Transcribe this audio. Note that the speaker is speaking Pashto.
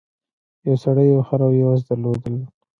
یو سړي یو خر او یو اس درلودل.